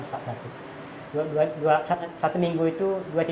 satu minggu itu dua tiga